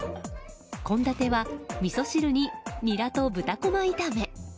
献立はみそ汁にニラと豚コマ炒め。